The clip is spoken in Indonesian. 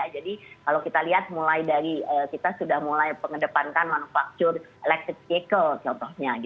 jadi kalau kita lihat mulai dari kita sudah mulai mengedepankan manufaktur elektrik jekol contohnya